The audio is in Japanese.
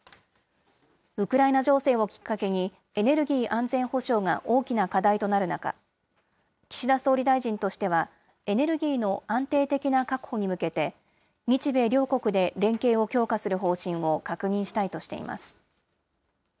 ウクライナ情勢をきっかけに、エネルギー安全保障が大きな課題となる中、岸田総理大臣としては、エネルギーの安定的な確保に向けて、日米両国で連携を強化する方針を確認したいとしています。